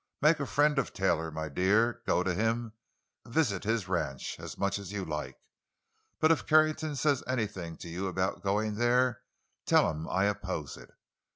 Make a friend of Taylor, my dear. Go to him—visit his ranch—as much as you like. But if Carrington says anything to you about going there, tell him I opposed it.